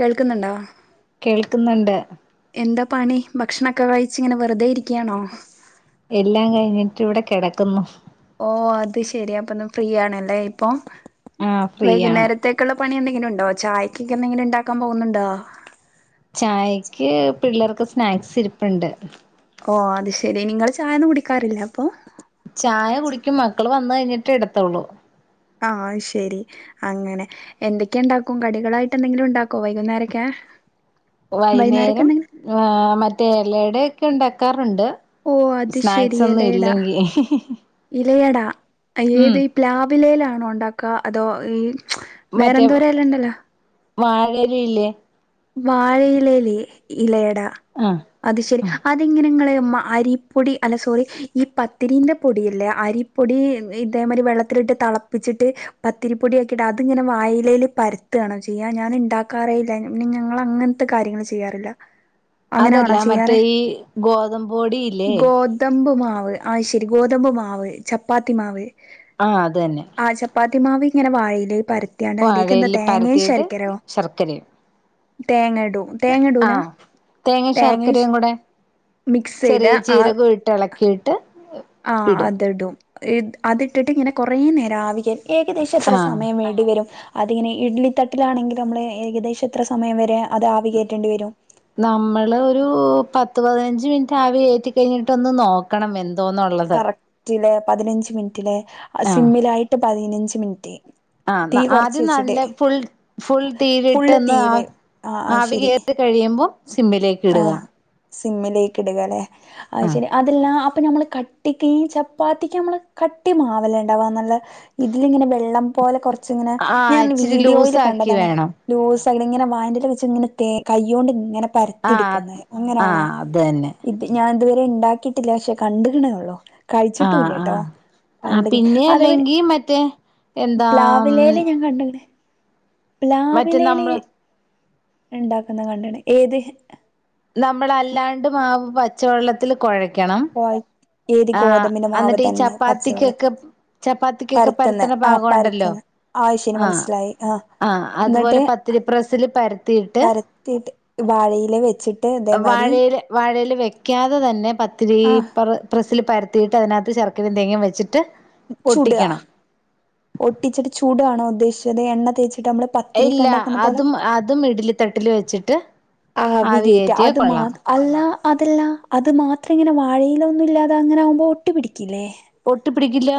കേൾക്കുന്നുണ്ടോ? ക്ക്ന്ന്ണ്ട്. എന്താ പണി, ഭക്ഷണൊക്കെ കഴിച്ച ഇങ്ങനെ വെറുതെ ഇരിക്ക്യാണോ? എല്ലാം കഴിഞ്ഞിട്ട് ഇവടെ കെടക്കുന്നു. ഓഹ് അത് ശെരി അപ്പൊ ന്ന് ഫ്രീ ആണ് ല്ലേ ഇപ്പൊ. ആഹ് ഫ്രീയാണ് വൈകുന്നേരത്തേക്കുള്ള പണി എന്തെങ്കിലും ഉണ്ടോ? ചായയ്ക്കൊക്കെ എന്തെങ്കിലും ഉണ്ടാക്കാൻ പോവുന്നുണ്ടോ? ചായക്ക് പിള്ളേർക്ക് സ്നാക്സ് ഇരിപ്പ്ണ്ട്. ഓഹ് അത് ശെരി നിങ്ങൾ ചായൊന്നും കുടിക്കാറില്ലെ അപ്പം? ചായ കുടിക്കും മക്കള് വന്ന് കഴിഞ്ഞിട്ടേ ഇടത്തുള്ളു. ആഹ് അഹ്ശെരി അങ്ങനെ. എന്തൊക്കെ ഉണ്ടാക്കും കടികളായിട്ട് എന്തെങ്കിലും ഉണ്ടാക്കോ വൈകുന്നേരക്കെ? വൈന്നേരം ഏഹ് മറ്റേ യെലയടയെക്കെ ഉണ്ടാ ക്കാറുണ്ട് ഓ അത് ശരി സ്നാക്സ് ഒന്നും ഇലയട ഇല്ലെങ്കി ഇലയട ഉം ഏത് ഈ പ്ലാവിലേലാണ് അഉണ്ടാക്ക അതോ ഈ വേറെന്തോരലഇണ്ടല്ലോ വാഴയില ഇല്ലേ വാഴ ഇലയില് ഇലയ- ട ആഹ് അത് ശരി അതങ്ങനെ ഇങ്ങള് മ്മ അരിപ്പൊടി അല്ല സോറി ഈ പത്തിരിൻ്റെ പൊടിയല്ലേ അരിപ്പൊടി ഇതേമാരി വെള്ളത്തിലിട്ട് തളപ്പിച്ചിട്ട് പത്തിരിപ്പൊടി ആക്കീട്ട് അത്ങ്ങനെ വാഴയിലയില് പരത്താണോ ചെയ്യാ ഞാൻ ഇണ്ടാക്കാറേല്ല പിന്ന ഞങ്ങളഅങ്ങൻത്തെ കാര്യങ്ങള് ചെയ്യാറില്ല അങ്ങനാണോ അതല്ല ചെയ്യാറ്? മറ്റേ ഈ ഗോതമ്പ് പൊടിയില്ലേ ഗോതമ്പ് മാവ് അഅ്ശരി ഗോതമ്പ് മാവ് ചപ്പാത്തി മാവ് ആഹ് അത് തന്നെ ആഹ് ചപ്പാത്തി മാവേ ഇങ്ങനെ വഴയിലേ പര- അതിലേക്ക് എന്താ വാഴയില തേങ്ങയും പരത്തിയിട്ട് ശരിക്കരോ തേങ്ങ ഇടും. തേങ്ങ ആ ഇടൂല? തേങ്ങ തേങ്ങയും ശർക്കരയും കൂടെ മിക്സ് ചെയ്ത ചെറിയ ജീരകവും ഇട്ട് എളക്കിട്ട് ആ അത് ഇടും ഇ അതിട്ടിട്ട് ഇങ്ങനെ കൊറേ നേരം ആവിക്കേ- ഏകദേശം എത്ര ആഹ് സമയം വേണ്ടിവരും അതിങ്ങനെ ഇഡ്ലി തട്ടിലാണെങ്കിൽ നമ്മള് ഏകദേശം എത്ര സമയം വരെ അത് ആവി കയറ്റേണ്ടി വരും നമ്മള് ഒരു പത്ത് പതിനഞ്ച് മിനിറ്റ് ആവി കേറ്റി കഴിഞ്ഞിട്ടൊന്ന് നോക്കണം വെൻ കറക്റ്റിലെ പതിനഞ്ച് മിൻ റ്റിലെ ആഹ് സിമ്മിലായിട്ട് പതിനഞ്ച് ഞ്ച് മിനിറ്റ് ആഹ് തീ ന്നാ കുറച്ച് ആദ്യം വെച്ചിട്ട് നല്ല ഫുൾ ഫുൾ ഫുള്ള് തീയിലിട്ട്ന്ന് തീയില് ആവ് ആഹ് ആഹ് ആവി ശരി കേറി കഴിയുമ്പം സിമ്മിലേക്ക് ഇടുക ആഹ് സിമ്മിലേക്ക് ഇടുകല്ലേ അത് ആഹ് ശരി അതെല്ലാം ആ പ്പ ഞമ്മള് കട്ടിക്ക് ഈ ചപ്പാത്തിക്കമ്മള് കട്ടി മാവല്ലേണ്ടാവ നല്ല ഇതിലിങ്ങനെ വെള്ളം പോലെ കൊർ ച്ച് ഇങ്ങനെ ആഹ് ഞാൻ ഇച്ചിരി ലൂസ് വീഡിയോയില് ആക്കി കണ്ടതാണ് വേണം ലൂസ് പ്പ അയ്ല് ഇങ്ങന വായെന്റെല വെച്ച് ഇങ്ങനെ തേ കൈയോണ്ട് ഇങ്ങനെ പ് ആഹ് എടുക്കുന്നത് അങ്ങനെയാണോ ആഹ് അത് തന്നെ ഇത് ഞാൻ ഇത്വ ഇണ്ടാക്കീട്ടില്ല പക്ഷെ കണ്ട്ക്ക്ണ് ഒള്ളൂ ആഹ് കഴിച്ചിട്ടൂല്ലട്ടോ ആഹ് ആ കണ്ട്ക്ക്ണ് പിന്നെ അതേമാരി അല്ലെങ്കി മറ്റേ എന്താ പ്ലാവിലേല് ഞാൻ കണ്ട്ക്ക്ണ് മറ്റേ പ്ലാവിലേല് നമ്മള് ഇണ്ടാക്കുന്ന കണ്ടണ് ഏത് നമ്മളല്ലാണ്ട് മാവ് പച്ചവെള്ളത്തില് കൊഴ ക്കണം കോയ ഏത് ആഹ് ഗോതമ്പിന്റെ മാവ് അന്നിട്ട് ഈ തന്നെ പച്ചവെള്ള ചപ്പാത്തിക്കൊക്കെ ചപ്പാത്തിക്കൊക്കെ പരത്തുന്നെ പരത്ത്ണ ആഹ് പാകോണ്ടല്ലോ പരത്തുന്നെ ശരി ആഹ് മനസ്സിലായി ആഹ് എന്നിട്ട് അതുപോലെ പത്തിരിപ്രസില് പരത്തിയിട്ട് പരത്തിയിട്ട് വാഴയില വെച്ചിട്ട് ഇതേമാരി വാഴയില വാഴയില വെക് യ്ക്കാതെ തന്നെ പത്തിരി ആഹ് പെറ് ത്തില് പരത്തീട്ട് അതിനാത്ത് ശർക്കരേം തേങ്ങേം വച്ചിട്ട് ചുടുക ഒട്ടിക്കണം ഒട്ടിച്ചിട്ട് ചൂട്കാണോ ഉദ്ദേശിച്ചത് എണ്ണ തേച്ച് ഇല്ല അതും അതും ഇഡലി തട്ടിൽ വെച്ചിട്ട് ആവി കേറ്റ്ക കയറ്റിയാൽ അത് കൊള്ളാം മാത് അല്ല ആഹ് അതല്ല അത് മാത്ര എങ്ങനെ വാഴയില ഒന്നും ഇല്ലാതെ അങ്ങനെ ആകുമ്പോ ഒട്ടി പിടിക്കില്ലേ ഒട്ടിപിടിക്കില്ല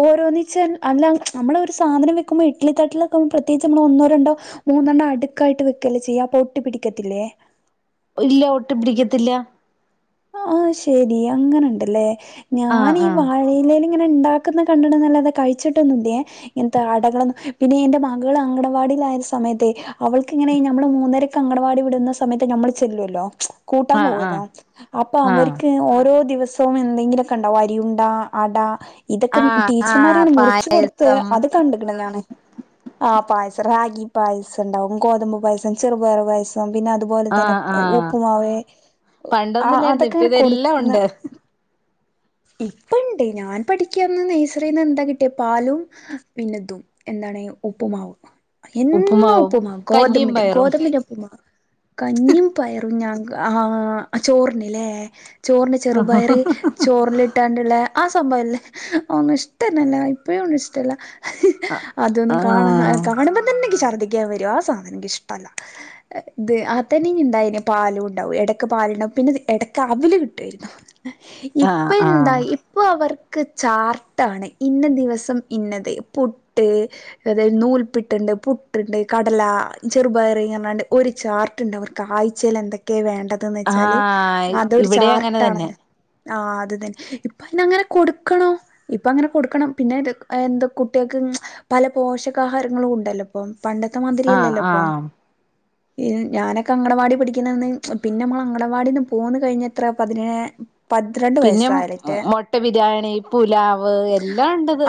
ഓരോന്നിച്ച് അല്ല നമ്മളൊരു സാധനം വെക്കുമ്പോ ഇഡ്ലി തട്ടിലൊക്കാകുമ്പ പ്രത്യേകിച്ച് നമ്മള് ഒന്നോ രണ്ടോ മൂനണ്ണോ അടുക്കായിട്ട് വെക്കല്ലേ ചെയ്യാ അപ്പൊട്ടി പിടിക്കത്തില്ലേ ഇല്ല ഒട്ടിപിടിക്കത്തില്ല ആഹ് ശെരി അങ്ങനെണ്ടല്ലേ ആ ഞാൻ ഈ ആ വാഴയിലെല് ഇങ്ങനെ ഇണ്ടാക്കുന്ന കണ്ടിട്ടെന്നല്ലാതെ കഴിച്ചിട്ടൊന്നുല്യേ ഇങ്ങനത്തെ അടകളൊന്നും പിന്നെ എന്റെ മകൾ അങ്കണവാടിലായ ഒര് സമയത്തെ അവൾക്ക് ഇങ്ങനെ നമ്മള് മൂന്നരക്ക് അങ്കണവാടി വിടുന്ന സമയത്ത് ഞമ്മള് ചെല്ലുവല്ലോ കൂട്ടാൻ ആ ആ പോകുവല്ലോ അപ്പൊ ആ അവരിക്ക് ഓ ഓരോ ദിവസവും എന്തെങ്കിലുമൊക്കെ ഉണ്ടാവും അരിയുണ്ട അടാ ഇതൊക്കെ ആഹ് ആഹ് ടീച്ചർമാരിങ്ങനെ മുറിച്ച് കൊടുത്ത് പായസം അത് കണ്ടിക്കണ് ഞാൻ ആഹ് പായസം റാഗി പായസണ്ടാവും ഗോതമ്പ് പായസം ചെറുപയർ പായസം പിന്നെ അതുപോലെ തന്നെ ആഹ് ഉപ്പുമാവേ ല്ലായിരുന്ന് ഇപ്പം ഇതെല്ലാം ഉണ്ട് ഇപ്പം ഇണ്ട് ഞാൻ പഠിക്കുകന്ന് നെയ്സറിന്ന് എന്താ കിട്ടിയ പാലും പിന്നതും എന്താണ് ഉപ്പുമാവും എന്നും ഉപ്പുമാവും ഉപ്പുമാ കഞ്ഞിയും ഗോതമ്പിന്റെ പയറും ഗോതമ്പിന്റെ ഉപ്പുമാ കഞ്ഞിം പയറും ഞാൻ ആഹ് ചോറിനിലേ ചോറിന് ചെറുപയർ ചോറിലിട്ടാണ്ടുള്ള ആഹ് സംഭവല്ലേ ഒന്നും ഇഷ്ടന്നല്ല ഇപ്പഴും ഒന്നും ഇഷ്ടല്ല അതൊന്നും ആഹ് കാണ ആഹ് കാണുമ്പോത്തന്നെ എനിക്ക് ചർ [unintelligible] ആഹ് സാധനം എനിക്ക് ഇഷ്ടല്ല ഇത് ആ തന്നെ എന്ത പാലുണ്ടാവകും ഇടക്ക് പാലുണ്ടാവും പിന്നെ ഇടക്ക് അവൽ കിട്ടേരുന്നു ഇപ്പൊ എന്താ ആഹ് ഇപ്പ അവർ ക്ക് ചാർട്ടാണ് ഇന്ന ദിവസം ഇന്നത് പുട്ട് അതായത് നൂൽപ്പിട്ടുണ്ട് പുട്ടുണ്ട് കടല ചെറുപയറിങ്ങണ്ട് ഒരു ചാർട്ടുണ്ട് അവർക്ക് ആഴ്ചയിൽ എന്തൊക്കെയാണ് വേണ്ട ത് വെച്ചാല് ആഹ് അതൊരു ഇവിടെ അങ്ങനെ തന്നെ ചാർട്ടാണ് ആഹ് അത് തന്നെ ഇപ്പം അങ്ങനെ കൊടുക്കണം ഇപ്പം അങ്ങനെ കൊടുക്കണം പിന്നെ എന്താ കുട്ടികൾക്ക് പല പോഷകാഹാരങ്ങളും ഉണ്ടല്ലോ ഇപ്പം പണ്ടത്തെ ആഹ് മന്തിരിയല്ലല്ലോ ഇപ്പൊ ആഹ് ഞാനൊക്കെ അങ്കണവാടി പഠിക്കുന്ന അന്ന് പിന്നെ മ്മൾ അങ്കണവാടിന്ന് പോന്ന് കഴിഞ്ഞത്ര പതിനെ പിന്നെ മുട്ട ബിരിയാണി പുലാവ് എല്ലാം ഉണ്ടത്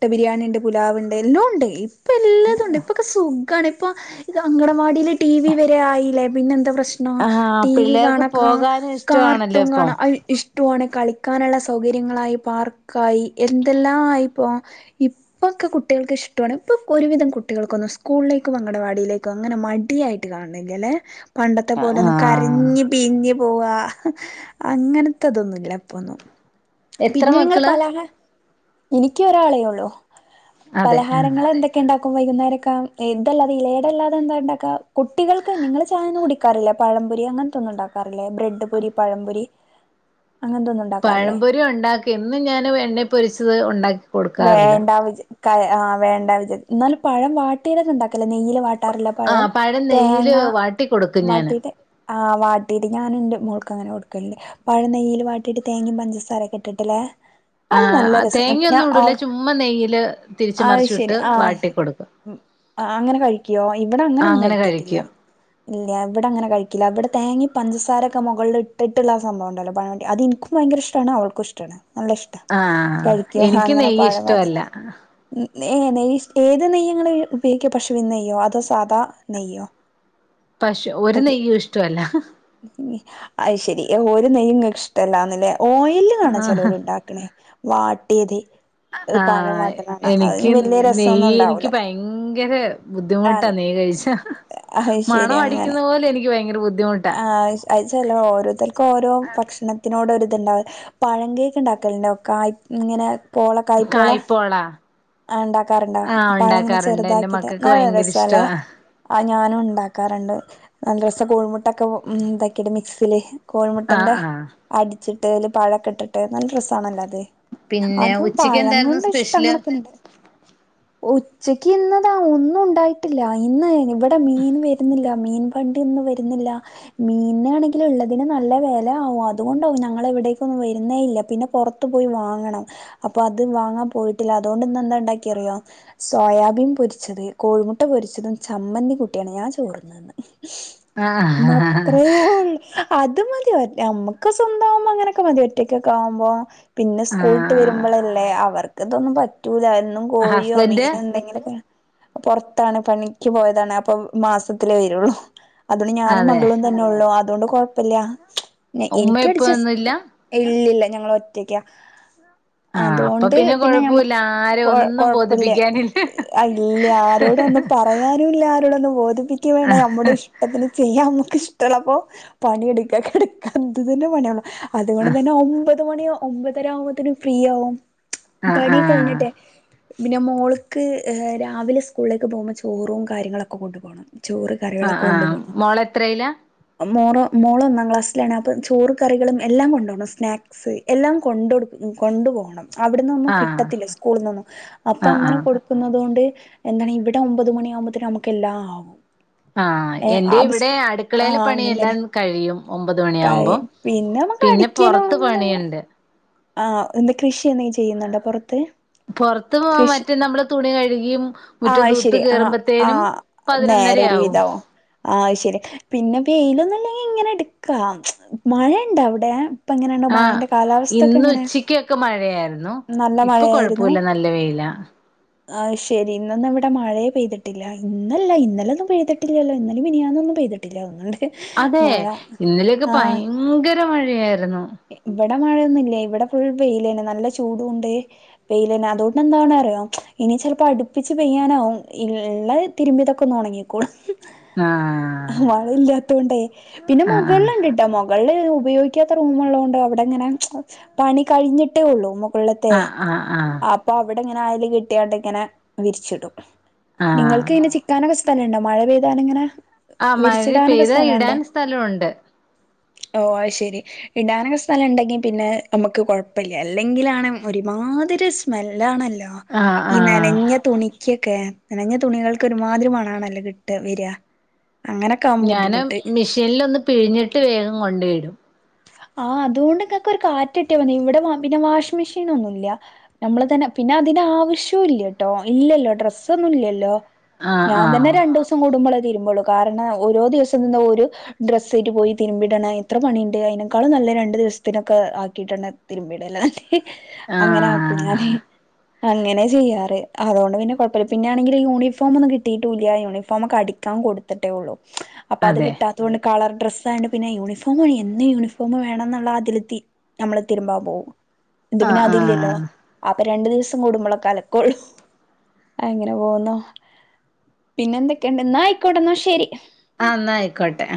ട്ട ബിരിയാണിണ്ട് പുലാവുണ്ട് എല്ലാം ഉണ്ട് ഇപ്പല്ലാതുണ്ട് ഇപ്പൊക്കെ സുഖമാണ് ഇപ്പൊ അങ്കണവാടിൽ ടി വി വരെ ആയില്ലേ പിന്നെ എന്താ പ്ര പ്രശ്നോ ആഹ് ടി വി പിള്ളേർക്ക് കാണക്ക പോകാനും ഇഷ്ടമാണല്ലോ കർട്ടൂൺ ഇപ്പം കാണാ അ കളിക്കാനുള്ള സൗകര്യങ്ങളായി പാർക്കായി എന്തെല്ലാം ആയിപ്പോ ഇപ്പൊക്കെ കുട്ടികൾക്ക് ഇഷ്ടാണ് ഇപ്പൊ ഒരുവിധം കുട്ടികൾക്കൊന്നും സ്കൂളിലേക്കും അങ്കണവാടിയിലേക്കും അങ്ങനെ മടിയായിട്ട് കാണണില്ലല്ലേ പണ്ടത്തെ പോലൊന്നും ആഹ് കരഞ്ഞ് പീഞ്ഞ് പോവാ അങ്ങനെ തൊന്നൂല്ലപ്പൊന്നും എത്ര പിന്നെ നിങ്ങൾ മക്കള് പലഹ എനിക്ക് ഒരാളേ ഉള്ളൂ അതെ ആഹ് പലഹാരങ്ങൾ എന്തൊക്കെ ഉണ്ട വൈകുന്നേരക്ക ഇതല്ലാ ഇലയടല്ലാതെ എന്താണ്ടാക്ക കുട്ടികൾക്ക് നിങ്ങൾ ചായന്നും കുടിക്കാറില്ല പഴംപൊരി അങ്ങനത്തൊന്നും ഉണ്ടാക്കാറ് ല്ലേ ബ്രെഡ് പൊരി പഴംപൊരി അങ്ങനത്തൊന്നും ഉണ്ടാക്കാറില്ലേ പഴംപൊരി ഉണ്ടാക്കി എന്നും ഞാൻ എണ്ണെ പൊരിച്ചത് ഉണ്ടാക്കി കൊടുക്കാറില്ല വേണ്ട വിചാ വേണ്ട വിചാ എന്നാലും പഴം വാട്ടിയിലന്നണ്ടാക്കല്ലേ നെയൽ വാട്ടി ആഹ പഴം നെയയില് വാട്ടിക്കൊടുക്കും ഞാന് വാട്ടിയിട്ട് ആ വാട്ടിയിട്ട് ഞാനെന്റെ മോൾക്ക് അങ്ങനെ കൊടുക്കലുണ്ട് പഴനെയ്യിൽ വാട്ടയിട്ട് തേങ്ങ പഞ്ചസാരൊക്കെ ഇട്ടിട്ടില്ലേ അത് നല്ല ആ രസ ഞ തേങ്ങയൊന്നും ഇടൂല ചുമ്മാ നെയ്യില് തിരിച്ച് അത് ശരി മറിച്ചിട്ട് ആ വാട്ടി കൊടുക്കും അങ്ങനെ കഴിക്കോ ഇവിടെ ആ അങ്ങനെൊന്നും അങ്ങനെ കഴിക്കത്തില്ല കഴിക്കും ഇല്ല ഇവിടെ അങ്ങനെ കഴിക്കില്ല ഇവിടെ തേങ്ങി പഞ്ചസാരൊക്കെ മുകളിൽ ഇട്ടിട്ടുള്ള സംഭവം ഉണ്ടല്ലോ പ അത് എനിക്കും ഭയങ്കര ഇഷ്ടമാണ് അവൾക്കും ഇഷ്ടമാണ് നല്ല ഇഷ്ട ആഹ കഴിക്കും എനിക്ക് നെയ്യ ഇഷ്ടമല്ല നെയ്യ് നെയ്യ് ഏത് നെയ്യങ്ങൾ ഉപയോഗിക്ക പശുവി നെയ്യോ അതോ സാധാ നെയ്യോ പശു ഒരു നെയ്യും ഇഷ്ടമല്ല അത്ശെരി ഒരു നെയ്യും ഇഷ്ടല്ലാന്നല്ലേ ഓയില് കാണൻ ചെലവൾ ഉണ്ടാക്കണേ വാട്ടിയതിൽ ആഹ എനിക്ക് വല്യ രസൊന്നും നെയ്യ് എനിക്ക് ഉണ്ടാവൂല ഭയങ്കര ആ ബുദ്ധിമുട്ടാ നെയ്യ് കഴിച്ച അത് മണം അടിക്കുന്ന പോലെ എനിക്ക് ഭയങ്കര ബുദ്ധിമു ആ അത് ചില ഓരോരുത്തർക്കും ഓരോ ഭക്ഷണത്തിനോട് ഒരു ഇണ്ട പഴം കേക്ക് ഉണ്ടാക്കലണ്ട ഒക്ക ഇങ്ങനെ പോള കായ്പള കായ്പോള ആ ഉണ്ടാക്കാറുണ്ടാവ ആ പഴ ഇങ്ങനെ ഉണ്ടാക്കാറുണ്ട് എന്റെ ചെറുതാക്കിട്ട് മക്കൾക്ക് നല്ല ഭയങ്കര രസല്ലേ ഇഷ്ടവാ ആ ഞാനും ഉണ്ടാക്കാറുണ്ട് നല്ല രസ കോഴിമുട്ട ഇട്ടൊക്കെ ഉണ്ടാക്കിയിട്ട് മിക്സിൽ ആ കോഴിമുട്ടന്റെ ആ അടി വച്ചിട്ട്തില് പഴൊക്കെ ഇട്ടിട്ടു നല്ല രസ ആണല്ലത് തെ പിന്നെ അതും ഉച്ചക്ക് എന്തായിരുന്നു പഴങ്ങൊണ്ട് സ്പെഷ്യല് ഇഷ്ടങ്ങളൊക്കെ ഇണ്ട് ഉച്ചക്ക് ഇന്നതാ ഒന്നും ഉണ്ടായിട്ടില്ല ഇന്ന് ഇവിടെ മീൻ വരുന്നില്ല മീൻ വണ്ടിന്നും വരുന്നില്ല മീനാണെങ്കിലിൽ ഉള്ളതിന് നല്ല വില ആവും അതുകൊണ്ടാവും ഞങ്ങ എവിടേക്കൊന്നും വരുന്നേ ഇല്ല പിന്നെ പുറത്തു പോയി വാങ്ങണം അപ്പൊ അത് വാങ്ങാൻ പോയിട്ടില്ല അതുകൊണ്ടൊന്ന എന്താ ഉണ്ടാക്കി അറിയോ സോയാബീൻ പൊരിച്ചത് കോഴിമുട്ട പൊരിച്ചതും ചമ്മന്തി കുട്ടിയാണ് ഞാൻ ചോർന്നന്ന് ആഹ് ഇന്നത്രേ ഉള്ളു അത് അത് മതി ഞമ്മുക്ക് സ്വന്തമാകുമ്പോ അങ്ങനൊക്കെ മതി ഒറ്റയ്ക്കൊക്കെ ആവുമ്പോ പിന്നെ സ്കൂളിട്ട് ആഹ് വരുമ്പോഴല്ലേ അവർക്ക് ഇതൊന്നും പറ്റൂല ന്നും കോഴിയോ ഹസ്ബൻഡ് മീന എന്തെങ്കിലുമൊക്കെ പുറത്താണ് പണിക്ക് പോയതാണ് അപ്പൊ മാസത്തിലേ വരുള്ളു അത് ഞാനും അതെ മകളും തന്നെ ഉള്ളു അതുകൊണ്ട് കുഴപ്പില്ല ഉമ്മ എനിക്കടെ ഉപ്പ ജസ്റ്റ് ഒന്നുല്ല ഇല്ലില്ല ഞങ്ങള ഒറ്റക്ക ആഹ് അപ്പൊ അതുകൊണ്ട് പിന്നെ ഞമ്മ കൊഴപ്പുല്ല ആരെ കൊ ഒന്നും കൊഴപ്പല്ല ബോധിപ്പിക്കാനില്ല ഇല്ല ആരോടൊന്നും പറയാനുംല്ല ആരോടൊന്നും പോതും ഇക്ക് വേണ്ടേ നമ്മുടെ ഇഷ്ടത്തിന് നമ്മുക്ക് ഇഷ്ടള്ളപ്പൊ പണിയെടുക്ക കെട്ക്കാ ഇത് തന്നെ പണിയുള്ളു അതുകൊണ്ട് തന്നെ ഒമ്പത് പത്ത് മണിയോ ഒമ്പതര ആവുമ്പോത്തേന് ഫ്രീ ആവും ആഹ് പണി ആഹ് കഴിഞ്ഞിട്ടെ പിന്നെ മോൾക്ക് രാവിലെ സ്കൂളിലേക്ക് പോകുമ്പോ ചോറും കാര്യങ്ങളൊക്കെ കൊണ്ടു പോണം ചോറ് കറികളൊക്കെ കൊണ്ടു പോണം എത്രയ്‌ലാ മോറോ മോള് ഒന്നാം ക്ലാസ്സിലാണ് അപ്പം ചോറ് കറികളും എല്ലാം കൊണ്ടുപോകണം സ്നാക്സ് എല്ലാം കൊണ്ട് കൊണ്ടു പോണം അവിടെന്നൊന്നും ആഹ് കിട്ടത്തില്ല സ്കൂളിൽ ന്നൊന്നും അപ്പൊ ആഹ് അങ്ങനെ ആഹ് കൊടുക്കുന്നത് കൊണ്ട് എന്താണ് ഇവിടെ ഒമ്പത് മണിയ ആകുമ്പോത്തിന് നമുക്ക് എല്ലാം ആവും ആ ഏ എന്റെ ആ ഇവിടെ സ്കൂ അടുക്കളയിലെ ആഹ് അങ്ങനെ പണിയെല്ലാം തന്നെ കഴിയും ഒമ്പത് മണിയാവുമ്പോ പിന്നെ നമുക്ക് പിന്നെ അടിക്കലും പുറത്ത് അങ്ങനെ പണിയുണ്ട് ആ ഇന്ന് കൃഷി എന്തേം ചെയ്യുന്നുണ്ടോ പുറത്ത് പൊറത്ത് പോവാം പറ്റും നമ്മള് തുണി കഴ് ഴിയും ആ ശരി ആ ആ നേരെ ഒരു പതിനൊന്നരയാവും വിതാവും ആ ശരി പിന്നെ വെയിലൊന്നല്ലേ നീ എങ്ങനെ എടുക്കാ മഴയുണ്ട അവിടെ എങ്ങനെയുണ്ട് ആ മഴന്റെ കാലാവസ്ഥ ഒക്കെ ഇന്ന് എങ്ങനെ ഉച്ചക്ക് ഒക്കെ മഴയായിരുന്നു നല്ല ഇപ്പൊ കൊഴപ്പൂല്ല നല്ല വെയില ആ ശരി ഇന്നൊന്നും ഇവിടെ മഴയേ പെയ്തിട്ടില്ല ഇന്നല്ല ഇന്നലൊന്നും പെയ്തിട്ടില്ലല്ലോ ഇന്നലും മിനിയാന്നൊന്നും പെയ്തിട്ടില്ല [unintelligible] അതെ മഴ ഇന്നലൊക്കെ ആഹ് ഭയങ്കര ര മഴയായ് രുന്നു ഇവിടെ മഴയൊന്നുല്ല ഇവിടെ ഫുൾ വെയിലാണ് നല്ല ചൂടുണ്ട് വെയിലിന് അതുകൊണ്ട് എന്താണ അറിയോ ഇനി ചിലപ്പോ അടുപ്പിച്ച് പെയ്യാനാവും ഇള്ള തിരുമ്പിതൊക്കെ ഒന്നൊണങ്ങിക്കോളും ആഹ് മഴ ഇല്ലാത്തൊണ്ടേ പിന്നെ മുകൾ ആഹ് ഇണ്ട്ട്ടാ മൊക വെള്ളയ്‌ന് ഉപയോഗിക്കാത്ത റൂമ് ഉള്ളത് കൊണ്ട് അവിടെങ്ങനെ പണി കഴിഞ്ഞട്ടേ ഉള്ളൂ മു കൾത്തെ ആഹ് ആഹ് ആഹ് ആഹ് അപ്പ അവ് ഇങ്ങനെ അയല് കെട്ടിയാണ്ട് ഇങ്ങനെ വിരിച്ചിടും ആഹ് നിങ്ങൾക്ക് അയ്ന് ചിക്കാനൊക്കെ സ് ഥലണ്ടോ മഴ പെയ്താലിങ്ങനെ ആ മഴ പെയ്താ ഇടാൻ സ്ഥലോണ്ട് ഓ അയ് ശെരി ഇടാനൊക്കെ സ്ഥലണ്ടെങ്കി പിന്നെ നമുക്ക് കൊഴപ്പല്ല അല്ലെങ്കിലാണ് ഒരുമാതിരി സ്മെല്ലാണ ല്ലാ ആഹ് ഈ ആഹ് നനഞ്ഞ തുണിക്ക് ക്കെ നനഞ്ഞ തുണികൾക്ക് ഒരുമാതിരി മണണല്ലോ കിട്ടാ വെരാ ഞാന് മെഷീനിലൊന്ന് പിഴിഞ്ഞിട്ട് വേഗം കൊണ്ടയിടും ആ അത്കൊണ്ട് ങ്ങക്കൊരു കാറ്റ് കിട്ട്യാമതി ഇവടെ വ പിന്നെ വാഷ്മെഷീനൊന്നുല്ല്യ നമ്മള് തന്നെ പിന്നെ അതിന്റെ ആവശ്യൂല്ലട്ടോ ഇല്ലല്ലോ ഡ്രസ്സൊന്നുല്ലല്ലോ ആഹ് ഞാൻ തന്നെ ആഹ് രണ്ടൂസം കൂടുമ്പളെ തിര്മ്പോളൂ കാരണം ഓരോ ദിവസട്ന്ന ഒരു ഡ്രസ്സെയ്റ്റ് പോയി തിര്മ്പിടണ എത്ര പണി ണ്ട് അയ്നേക്കാളും നല്ലെ രണ്ട് ദിവസത്തിനൊക്കെ ആക്കിട്ടെന്നെ തിര്മ്പിടല്ലാണ് അങ്ങനാക്കും ആഹ് ഞാന് അങ്ങനെ ചെയ്യാറ് അതൊണ്ട് പിന്നെ കൊഴപ്പല്ല പിന്നൊണെങ്കില് യൂണിഫോമൊന്നും കിട്ടീട്ടൂല്ല യൂണിഫോമൊക്കെ അടിക്കാൻ കൊട്ത്ത്ട്ടേ ഉള്ളൂ അപ്പൊ അത് അതെ കിട്ടാതൊണ്ട് കളർ ഡ്രസ്സായോണ്ട് പിന്നെ യൂണിഫോ ന്ന് യൂണിഫോം വേണംന്നുള്ള അതിലെത്തി നമ്മള് തിര്മ്പാം പോവും ഇത് പിന്നെ ആഹ് അതില്ലല്ലോ ആഹ് അപ് അപ്പ രണ്ടു ദിവസം കൂടുമ്പോളൊക്കെകലക്കോളു അങ്ങനെ പോവുന്നു പിന്നെന്തെക്കെണ്ട് ന്ന ആയിക്കോട്ടെ ന്ന ശെരി ആ ന്നാ ആയ്ക്കോട്ടെ